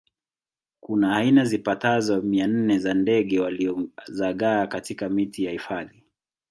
kuna aina zipatazo mia nne za ndege waliozagaa katika miti ya hifadhi